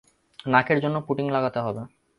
নাকের জন্য পুটিং লাগাতে হবে।